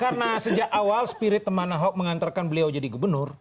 karena sejak awal spirit teman ahok mengantarkan beliau jadi gubernur